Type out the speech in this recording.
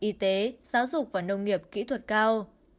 y tế giáo dục và nông nghiệp kỹ thuật cao